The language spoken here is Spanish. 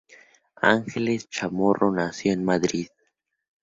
Ángeles Chamorro nació en Madrid.